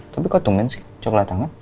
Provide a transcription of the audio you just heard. tapi kok tummen sih coklat hangat